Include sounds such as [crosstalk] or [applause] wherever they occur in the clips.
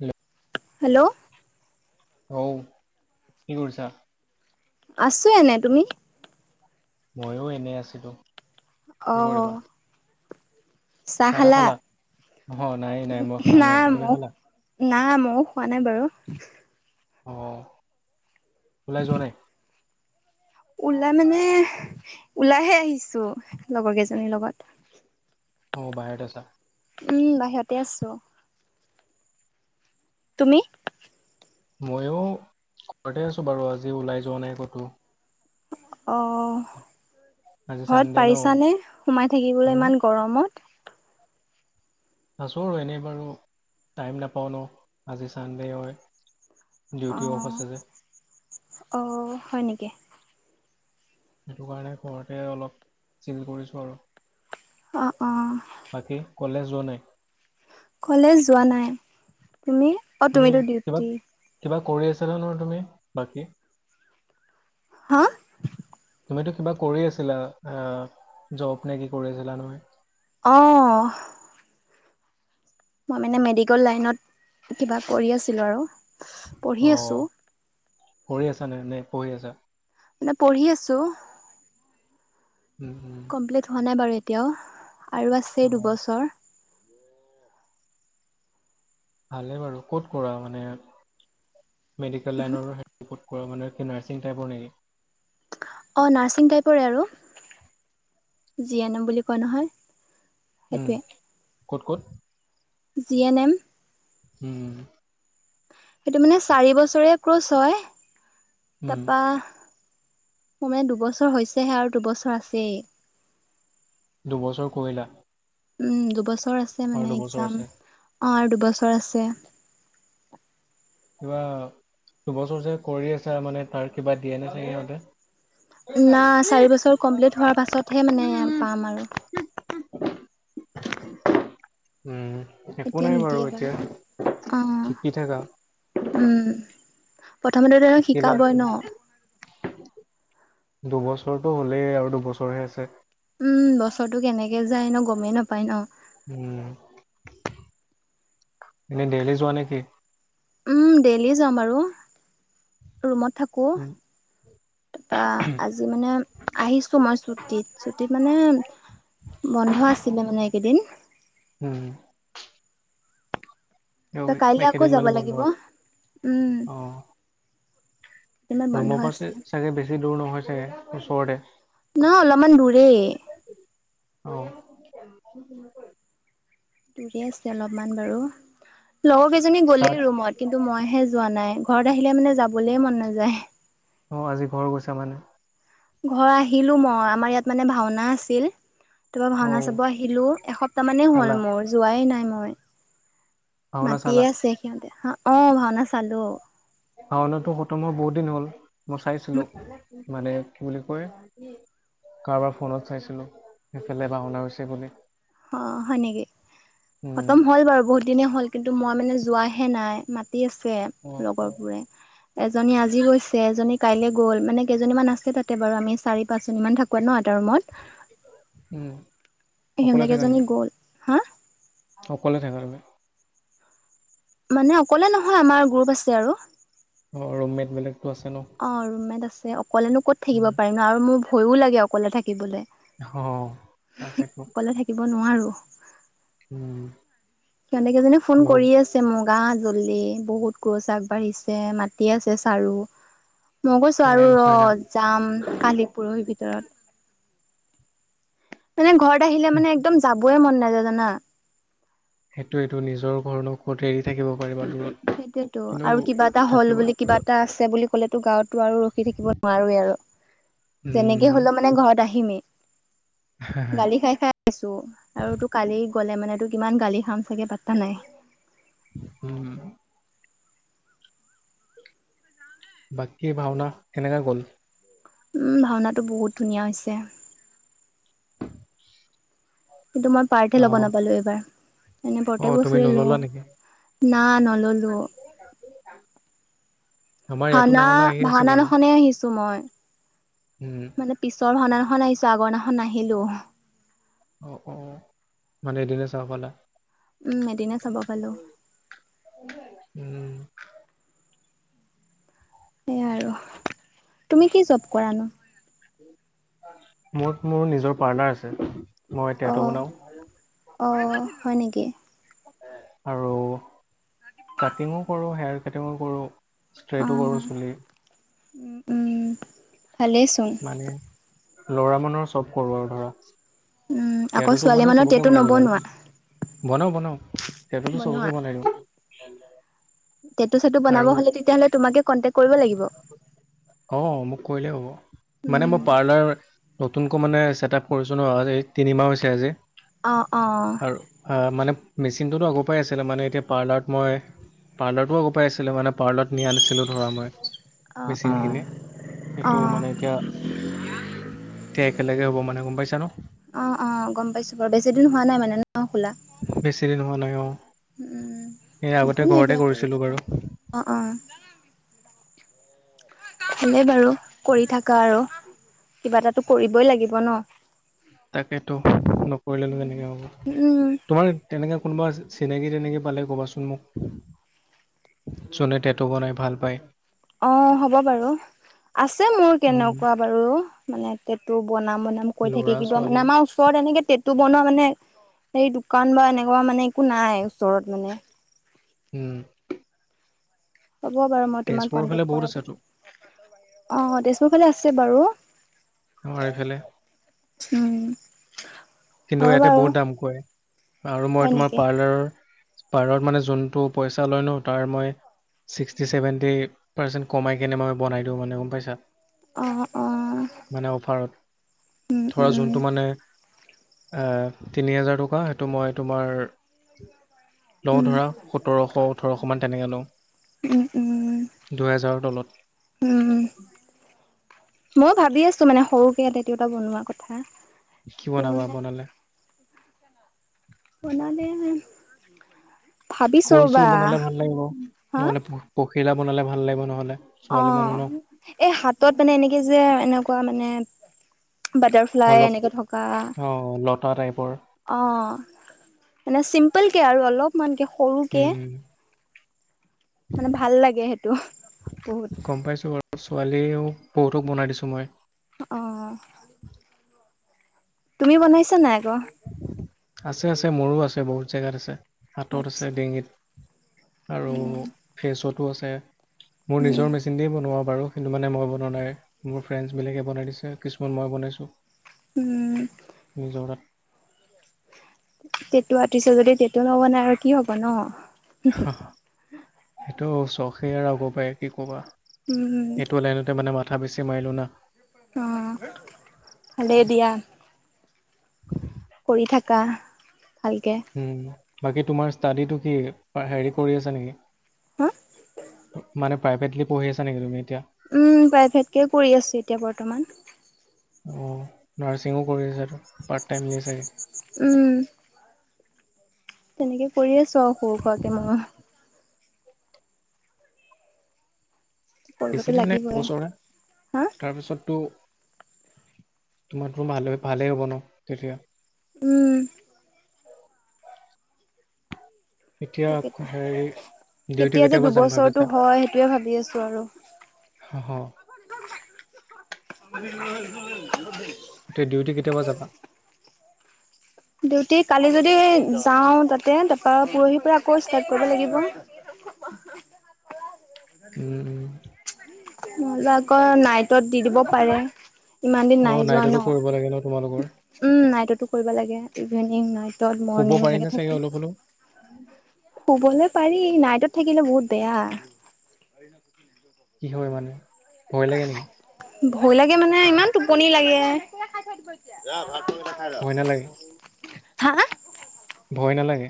উ। হেল্ল'। হ কি কৰছা? আছো এনে তুমি। ময়ো এনে আছিলোঁ। অ'। চাহা চাহ তাহ খালা, অ নাই নাই মই খামহে নাই তুমি মোক। খালা না মইওঁ খোৱা নাই বাৰু। অ', ওলাই যোৱা নাই। ওলাই মানে ওলাইহে আহিছো লগৰ কেইজনীৰ লগত। অ', বাহিৰত আছা। উম বাহিৰতে আছো। তুমি? মইও ঘৰতে আছো বাৰু আজি ওলাই যোৱা নাই ক'তো। অ'। আজি ঘৰত চানডে ন পাৰিছানে সোমাই থাকিবলৈ উম ইমান গৰমত। আছোঁ আৰু এনেই বাৰু টাইম নাপাওঁ ন' আজি ছানডে হয়। অ ডিউটি অফ আছে যে। অ' হয় নেকি। সেইটো কাৰণে ঘৰতে অলপ চিল কৰিছো আৰু। অ', অ'। বাকী কলেজ যোৱা নাই। কলেজ যোৱা নাই। তুমি অ তুমি তুমিতো কিবা ডিউটি কিবা কৰি আছাে নহয় তুমি, বাকি। হা। তুমিতো কিবা কৰি আছিলা অ জব নে কি কৰি আছিলা নহয়? অ'। মই মানে মেডিকেল লাইনত কিবা কৰি আছিলো আৰু। অ পঢ়ি আছোঁ। কৰি আছা নে নে পঢ়ি আছা? মানে পঢ়ি আছোঁ। উম। উম কমপ্লিট হোৱা নাই বাৰু, এতিয়াও আৰু অ আছেই দুবছৰ। ভালে বাৰু, ক'ত কৰা মানে মেডিকেল লাইনৰো হেৰ পৰ্ট কৰা মানুহে সে নাৰ্ছিং টাইপৰ নেকি? অ', নাৰ্ছিং টাইপৰে আৰু জি এন এম বুলি কয় নহয়। উম, সেইটোৱে ক'ত ক'ত? জি এন এম উম সেইটো মানে চাৰি বছৰে ক্ৰচ হয় উম তাৰপা মোৰ মানে দুবছৰ হৈছেহে আৰু দুবছৰ আছেই। দুবছৰ কৰিলা উম দুবছৰ আছে আৰু মানে দুবছৰ একজাম আছে অ' দুবছৰ আছে কিবা দুবছৰ যে কৰি আছা মানে তাৰ কিবা দিয়ে নে সিহঁতে? না চাৰি বছৰ কমপ্লিট হোৱাৰ পাছতহে মানে উম উম। পাম আৰু। উম একো এতিয়া নাই বাৰু নিদিয়ে এতিয়া অ শিকি থাকা। উম প্ৰথমতে তেওঁক শিকিলা শিকাবই ন'। দুবছৰটো হ'লেই আৰু দুবছৰহে আছে। উম বছৰটো কেনেকে যায় হেনো গমেই নাপায় ন'। উম, এনে দেইলি যোৱা নেকি। উম দেইলি যাম আৰু ৰুমত থাকোঁ। উম তাৰপা আজি মানে আহিছোঁ মই ছুটিত-ছুটিত মানে বন্ধ আছিলে মানে এইকেইদিন। উম। ত কাইলৈ আকৌ একেদিন যাব মানে বন্ধ লাগিব, আছে উম। অ ইমান বন্ধ ৰুমৰ পৰা আছে। চাগে বেছি দূৰ নহয় চাগে ওচৰতে নহয় অলপমান দূৰেই। অ'। দূৰে আছে অলপমান বাৰু লগৰ কেইজনী ষ্টাৰ্ট গ'লেই ৰুমত কিন্তু মইহে যোৱা নাই। ঘৰত আহিলে মানে যাবলৈ মন নাযায়। অ আজি ঘৰ গৈছা মানে। ঘৰ আহিলো মই আমাৰ ইয়াত মানে ভাওনা আছিল। তাৰপা অ ভাওনা চাব আহিলো এসপ্তাহ মানেই হ'ল চালা মোৰ যোৱাই নাই মই। ভাওনা চালা মাতিয়ে আছে সিহঁতে অ ভাওনা চালো। ভাওনাটো খতম হোৱা বহুতদিন হ'ল মই চাইছিলোঁ। মানে কি বুলি কয়, কাৰোবাৰ ফোনত চাইছিলোঁ সেইফালে ভাওনা হৈছে বুলি। অ হয় নেকি? উম খতম হ'ল বাৰু বহুত দিনে হ'ল। কিন্তু মই মানে যোৱাহে নাই মাতি আছে অ অ লগৰবোৰে। এজনী আজি গৈছে এজনী কাইলৈ গ'ল মানে কেইজনী মান আছে তাতে বাৰু আমি চাৰি পাঁচ জনী মান থাকোৱে ন ৰুমত উম। অকলে থাকা সিহতেকেইজনী নেকি গ'ল হা! অকলে থাকা আৰু মানে। মানে অকলে নহয় আমাৰ গ্ৰুপ আছে আৰু। অ ৰুমমেট বেলেগতো আছে ন অ ৰুম মেট আছে অকলেনো ক'ত থাকিব উম, পাৰিম ন আৰু মোৰ ভয়ো লাগে অকলে থাকিবলৈ। হ তাকেইতো। অকলে থাকিব নোৱাৰো। উম সনে কেইজী ফোন লগ কৰি আছে মোক গা জল্লি বহুত গৰুচ আগবাঢ়িছে মাটি আছে চাৰু মগৈছো আৰু ফ্ৰেণ্ডছ হয় না ৰ যাম কালি পৰহি ভিতৰত মানে ঘৰত আহিলে মানে একদম যাবয়ই মন নাযায় জানা সেইটো এইটো নিজৰ ঘৰনো ক'ত এৰি থাকিব পাৰিবা দূৰত সেইটোয়তো কিন্তু আৰু কিবা এটা হ'ল থাকিব বুলি কিবা এটা আছে বুলি ক'লে তো গাঁৱতো আৰু ৰখি থাকিব নোৱাৰোৱে আৰু যেনেকে উম, হলেও মানে ঘৰত আহিমেই হা, হা, গালি খাই খাই আছো আৰু তোৰ কালি গলে মানে তোৰ কিমান গালি খাম চাগে পাত্তা নাই। উম বাকী ভাওনা কেনেককাগ'ল উম ভাওনাটো বহুত ধুনীয়া হৈছে উ কিন্তু মই পাৰ্থে ল'ব নাপালো এইবাৰ এনেই প্ৰতেক অ', তুমি বছুৰে লওঁ নল'লা নেকি? না নললো আমাৰ ইয়াতো ভাওনা আহি আছে ভাওনা বাৰু। নখনে আহিছো মই উম, মানে পিছৰ ভননাখন আহিছো আগৰ দিনাখন নাহিলো অ অ মানে এদিনে চাব পালা উম এদিনে চাব পালো উম, সেয়াই আৰু [unintelligible] তুমি কি জব কৰা নো মোৰ মোৰ নিজৰ পাৰ্লাৰ আছে মই অ টেটু বনাওঁ অ হয় নেকি আৰু কাটিঙো কৰোঁ হেয়াৰ কাটিঙো কৰোঁ ষ্ট্ৰেটো কৰোঁ চুলি উ ভালেচোন মানে লৰা মৰ চব কৰোৱাৰ ধৰা উ আকৌ ছোৱালী মানৰ তেটো নব নোৱাৰা বনাও বনাও সিহঁটোতো চবকে বনাই দিওঁ টেটু চিটো বনাব আৰু হলে তেতিয়াহলে তোমাকে কন্টেক কৰিব লাগিব অ মোক কৰিলেই হ'ব মানে মই উম পাৰ্লাৰ নতুনকৈ মানে চছেটআপ কৰিছোঁ ন এই তিনিমাহ হৈছে আজি অ অ আৰু মানে মেচিনটোো আগৰপৰাই আছিলে মানে এতিয়া পাৰ্লাৰত মই পাৰ্লাৰটো আ পাই আছিলে মানে পাৰ্লত নি আনিছিলো ধৰা মই অ অ মেচিন খিনি অ এইটো মানে এতিয়া একেলগে হ'ব মানে গম পাইছ ন অ অ গম পাইছো বাৰু বেছিদিন হোৱা নাই মানে ন খোলা বেছি দিন হোৱা নাই অ'। উ এই উম আগতে একো নাই ঘৰতে দিয়া কৰি কৰিছিলোঁ থাকা বাৰু অ অ ভালে বাৰু কৰি থাকা আৰু কিবা এটা কৰিবই লাগিব ন তাকেতো নকৰিলেনো তেনেকে হব উম, তোমাৰ তেনেকে কোনোবা চিনাকি তিননাকি পালে ক'বাচোন মোক যোনে টেঁটু বনাই ভাল পায় অ হ'ব বাৰু আছে মোৰ উম, কেনেকুৱা বাৰু মানেটো বনাম বনাম কৈ থাকে ল'ৰা কিবা ছোৱালী মানে আমাৰ ওচৰত এনেকে তেটটটো বনোৱা মানে সেই দোকান বা এনেকুৱা মানে একো নাই ওচৰত মানে উম হ'ব বাৰু মই তোমাক তেজপুৰৰ ফালে কণ্টেক্ট বহুত কৰাই আছেতো। দিম অ তেজপুৰ ফালে আছে বাৰু আমাৰ এইফালে উম কিন্তু হ'ব ইয়াতে বাৰু বহুত দাম কয় আৰু মই হয় তোমাৰ নেকি? পাৰ্লাৰৰ পাৰত মানে জোনটো পইচা লয় ন, তাৰ মই ছিক্সটি চেভেণ্টি পাৰ্চেণ্ট কমাই কেনে মই বনাই দিওঁ মানে গম পাইছা? অ' অ' মানে অফাৰত। উম, ধৰা উম, জোনটো মানে আ, তিনি হেজাৰ টকা, সেইটো মই তোমাৰ লওঁ উম, ধৰা, সোতৰশ ওঠৰশ মান তেনেকে উম, উম। লওঁ। দুহেজাৰৰ তলত। উম, ময়ো ভাবি আছো মানে সৰুকে টেটু এটা বনোৱা কথা। কি বনাবা মানে বনালে? বনালে ভাবিছো ফুল-চুল ৰ'বা বনালে ভাল লাগিব। হা ন'হলে পখিলা বনালে ভাল লাগিব ন'হলে। ছোৱালী মানুহ অ', ন এই হাতত মানে এনেকে যে, এনেকুৱা মানে বাটাৰফ্লাই অলপ এনেকে থকা। অ লতা টাইপৰ অ'। মানে চিম্পলকে আৰু অলপমানকে সৰুকে উম মানে ভাল লাগে সেইটো বহুত। ছোৱালীয়ো বহুতক বনাই দিছোঁ মই। অ'। তুমি বনাইছা নাই আকৌ? আছে আছে, মোৰো আছে, বহুত জেগাত আছে। হাতত আচ্ছা আছে, ডিঙিত আৰু উম ফেচতো আছে। মোৰ উম নিজৰ মেচিন দিয়ে বনোৱা বাৰু কিন্তু মানে মই বনোৱা নাই। মোৰ ফ্ৰেণ্ডছবিলাকে বনাই দিছে। কিছুমান মই বনাইছোঁ। উম। নিজৰ তাত টেটু আৰ্স্টিছে যদি টেটু নবনাই আৰু কি হ'ব ন? [unintelligible] সেইটো চখে আৰু আগপায়ে কি ক'বা। উম এইটো লাইনতে মানে মাথা বেছি মাৰিলো না। অ', ভালে দিয়া। কৰি থাকা। ভালকে উম, বাকী তোমাৰ ষ্টাডিটো কি? হেৰি কৰি আছে নেকি? হা মানে প্ৰাইভেটলি পঢ়ি আছা নেকি তুমি এতিয়া? উম, প্ৰাইভেটকে কৰি আছো এতিয়া বৰ্তমান। অ', নাৰ্ছিঙো কৰি আছা তু, পাৰ্টটাইমলে চাগে? উম। তেনেকে কৰি আছো আৰু সৰু-সুৰাকে মই। কৰিবতো বৈছিদিন নাই লাগিবই এবাৰহে, হা। তাৰপিছতো তোমাৰোতো ভালে-ভালেই হ'ব ন তেতিয়া। উম। এতিয়া তাকেতো হেৰি ডিউটি কেতিয়া যে কেতিয়াপা যাম দুবছৰটো ভাবিছা? হয় সেইটোয়ে ভাবি আছো আৰু। [unintelligible] [inaudible] তে ডিউটি কেতিয়াপা যাবা? ডিউটি কালি যদি যাওঁ তাতে, তাৰপা পৰহি পৰা আকৌ ষ্টাৰট কৰিব লাগিব। [inaudible] উম, উম। নহ'লে আকৌ নাইটত দি দিব পাৰে, ইমান দিন অ নাই যোৱা নাইটতো ন। কৰিব লাগে ন তোমালোকৰ উম, নাইটতো কৰিব লাগে। ইভিনিং, নাইটত, শুব মৰ্ণিং পাৰি নে এনেকে চাগে থাকে। অলপ হলেও শুবলৈ পাৰি নাইটত থাকিলে বহুত বেয়া। কি হয় মানে? ভয় লাগে নেকি ভয় লাগে মানে, ইমান টোপনি লাগে। [unintelligible] ভয় নালাগে হা? ভয় নালাগে?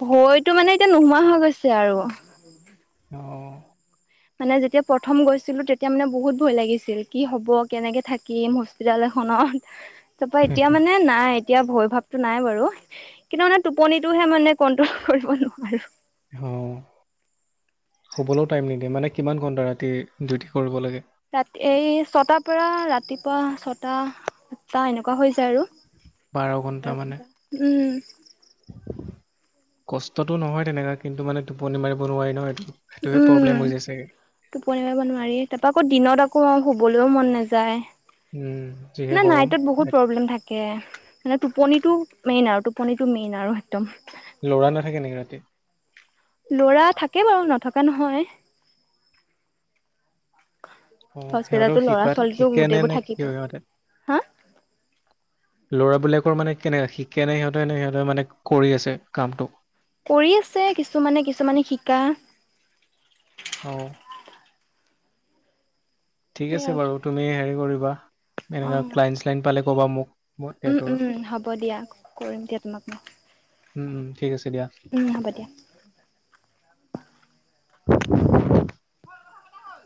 ভয়তো মানে এতিয়া নোহোৱা হৈ গৈছে আৰু। অ'। মানে যেতিয়া প্ৰথম গৈছিলো তেতিয়া মানে বহুত ভয় লাগিছিল কি হ'ব কেনেকে থাকিম হস্পিতাল ত তাৰ পৰা এতিয়া মানে নাই। এতিয়া ভয় ভাৱটো নাই বাৰু কিন্তু মানে টোপনিটোহে মানে কন্ট্ৰল কৰিব নোৱাৰো। অ', শুবলৈও টাইম নিদিয়ে মানে কিমান ঘন্টা ৰাতি ডউটি কৰিব লাগে। ৰাতি এই ছটাৰ পৰা ৰাতিপুৱা ছটা সাতটা এনেকুৱা হৈ যায় আৰু। বাৰটা উম। কষ্টতটো নহয় তেনেকা কিন্তু মানে টোপনি মাৰিব নোৱাৰি নহয় এই উম, টোপনি মাব নোৱাৰি তাৰপা আকৌ দিনত আকৌ অ'। বলেও মন নাযায়, উম যিহে মানে গৰম নাইটত বহুত প্ৰব্লেম থাকে। টোপনিটো মেইন আৰু টোপনিটো মেইন আৰু একদম। ল'ৰা নাথাকে নেকি ৰাতি ল'ৰা থাকে বাৰু নথকা নহয়। অ সিহঁতক হস্পিতালতো ল'ৰা শিকাত ছোৱালীো শিকে নে গোটেইবোৰ নে কি থাকিব হয় পই সিহঁতে? হা ল'ৰাবিলাকৰ মানে কেনে শিকে ন সিহঁতে নে সিহঁতে মানে কৰি আছে কামটো। কৰি আছে কিছুমানে, কিছুমানে শিকা অ'। ঠিক আছে বাৰু অ তুমি হেৰি কৰিবা এনেকুৱা ক্লাইন শ্লাইন পালে ক'বা মোক। মই উম, তোৰ উম, হ'ব দিয়া কৰিম দিয়া তোমাক মই। উম, উম, ঠিক আছে দিয়া। উম হ'ব দিয়া উম।